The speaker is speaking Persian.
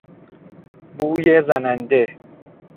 بوی زننده